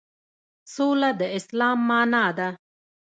سوله د اسلام معنی ده